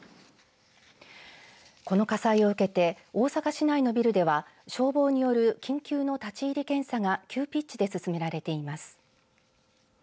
この火災を受けて大阪市内のビルでは消防による緊急の立ち入り検査が急ピッチで進められています。